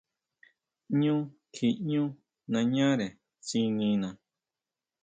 Ñú kjiʼñú nañare tsinina.